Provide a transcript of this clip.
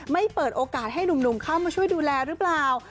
เปิดโอกาสให้หนุ่มเข้ามาช่วยดูแลหรือเปล่า